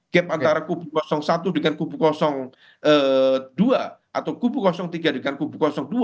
gap antara kubu satu dengan kubu dua atau kubu tiga dengan kubu dua